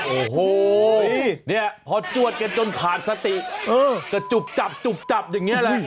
โอ้โหเนี่ยพอจวดกันจนขาดสติเออก็จุบจับจุบจับอย่างนี้แหละ